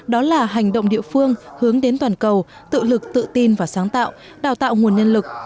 đó là hành động địa phương hướng đến toàn cầu tự lực tự tin và sáng tạo đào tạo nguồn nhân lực